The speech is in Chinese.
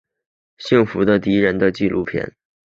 幸福的敌人的纪录片。